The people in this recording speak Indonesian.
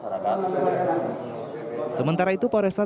sementara itu polresa tanggerang kembali melakukan pengisian